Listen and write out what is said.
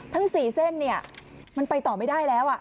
ทั้ง๔เส้นมันไปต่อไม่ได้แล้ว